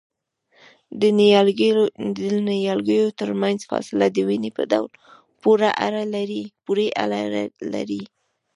د نیالګیو ترمنځ فاصله د ونې په ډول پورې اړه لري؟